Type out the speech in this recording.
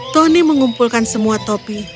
tony mengumpulkan semua topi